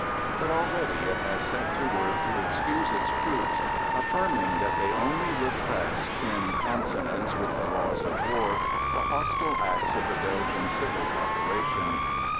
But already it has set to work to excuse its troops, affirming that they only repressed, in consonance with the Laws of War, the hostile acts of the Belgian civil population.